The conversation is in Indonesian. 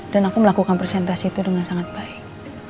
dan aku melakukan presentasi itu dengan sangat baik